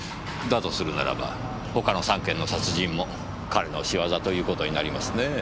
だとするならば他の３件の殺人も彼の仕業という事になりますねぇ。